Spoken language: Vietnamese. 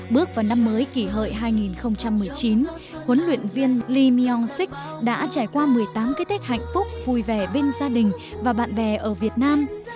bước vào năm mới kỷ hợi hai nghìn một mươi chín huấn luyện viên lim sik đã trải qua một mươi tám cái tết hạnh phúc vui vẻ bên gia đình và bạn bè ở việt nam